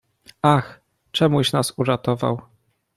"Ach, czemuś nas uratował!"